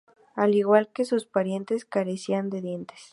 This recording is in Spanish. Al igual que sus parientes, carecía de dientes.